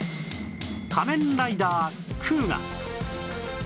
『仮面ライダークウガ』